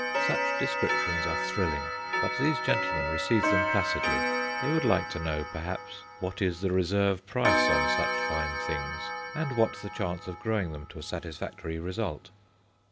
Such descriptions are thrilling, but these gentlemen receive them placidly; they would like to know, perhaps, what is the reserve price on such fine things, and what the chance of growing them to a satisfactory result.